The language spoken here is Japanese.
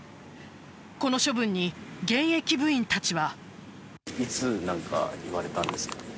この処分に現役部員たちは。